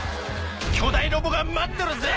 「巨大ロボが待ってるぜ」